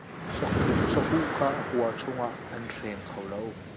Sakuh kha a kua chung ah an hreng kho lo.